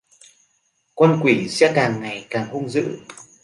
Con quỷ sẽ càng ngày càng hung dữ